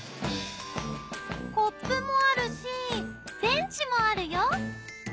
コップもあるし電池もあるよ！